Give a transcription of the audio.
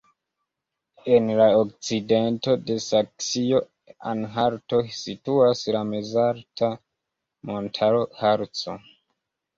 En la okcidento de Saksio-Anhalto situas la mezalta montaro Harco.